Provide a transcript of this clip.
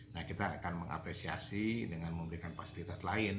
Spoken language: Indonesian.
nah kita akan mengapresiasi dengan memberikan fasilitas lain